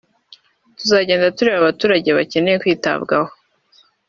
tuzagenda tureba abaturage bakeneye kwitabwabo